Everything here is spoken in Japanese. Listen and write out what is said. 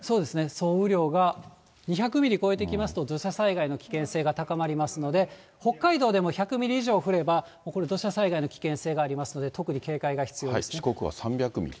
総雨量が２００ミリ超えてきますと、土砂災害の危険性が高まりますので、北海道でも１００ミリ以上降れば、これ、土砂災害の危険性がありますので、四国は３００ミリ。